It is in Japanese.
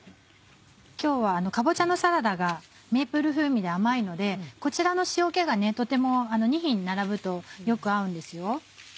今日はかぼちゃのサラダがメープル風味で甘いのでこちらの塩気がとても２品並ぶとよく合うんですよ。